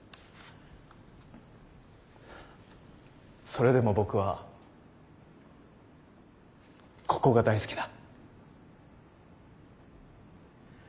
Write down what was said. それでも僕はここが大好きだ。